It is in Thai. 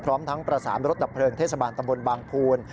พร้อมทั้งประสานรถดับเพลิงเทศบาลตำบลบางภูล